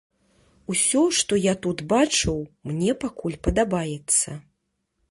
Усё, што я тут бачыў, мне пакуль падабаецца.